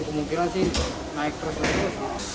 kemungkinan sih naik terus lagi